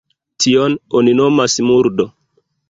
Tion oni nomas murdo.